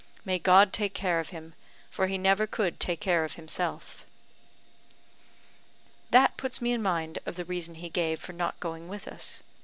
"May God take care of him, for he never could take care of himself." "That puts me in mind of the reason he gave for not going with us.